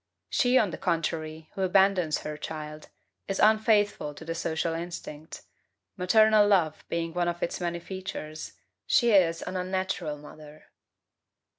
She, on the contrary, who abandons her child, is unfaithful to the social instinct, maternal love being one of its many features; she is an unnatural mother.